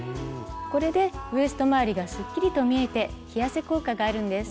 これでウエスト回りがすっきりと見えて着痩せ効果があるんです。